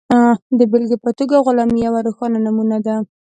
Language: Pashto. د بېلګې په توګه غلامي یوه روښانه نمونه ده.